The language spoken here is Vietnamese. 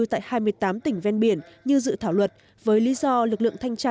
tại hai mươi tám tỉnh ven biển như dự thảo luật với lý do lực lượng thanh tra